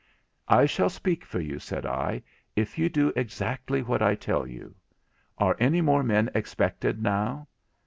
'I shall speak for you,' said I, 'if you do exactly what I tell you. Are anymore men expected now?'